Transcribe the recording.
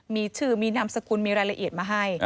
มีชื่อมีนามสกุลมีรายละเอียดมาให้